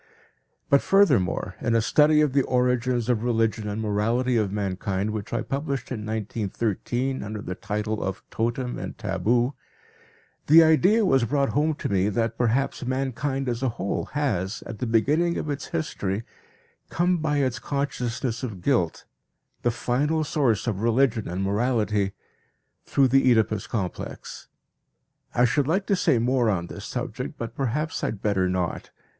But furthermore, in a study of the origins of religion and morality of mankind which I published in 1913, under the title of Totem and Taboo, the idea was brought home to me that perhaps mankind as a whole has, at the beginning of its history, come by its consciousness of guilt, the final source of religion and morality, through the Oedipus complex. I should like to say more on this subject, but perhaps I had better not.